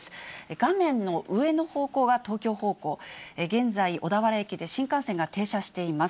画面の上の方向が東京方向、現在、小田原駅で新幹線が停車しています。